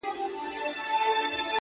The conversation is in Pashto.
زړه تا دا كيسه شــــــــــروع كــړه.